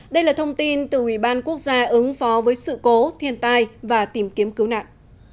đây là thông tin từ ủy ban quốc gia ứng phó với sự cố thiên tai và tìm kiếm cứu nạn